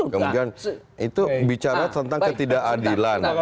kemudian itu bicara tentang ketidakadilan